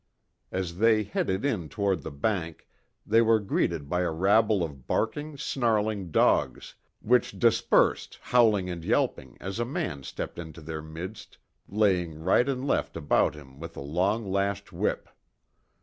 As they headed in toward the bank they were greeted by a rabble of barking, snarling dogs, which dispersed howling and yelping as a man stepped into their midst laying right and left about him with a long lashed whip.